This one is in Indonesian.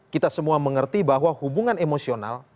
kita semua mengerti bahwa hubungan emosional